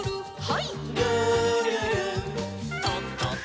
はい。